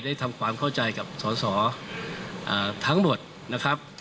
ทำความเข้าใจกับสอสอทั้งหมดนะครับ